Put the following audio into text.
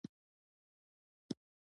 ټولنه د فرد له مجموعې څخه جوړېږي.